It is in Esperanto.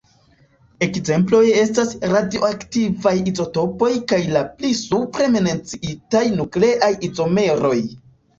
Ekzemploj estas radioaktivaj izotopoj kaj la pli supre menciitaj nukleaj izomeroj.